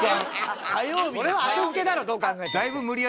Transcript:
それは後付けだろどう考えても。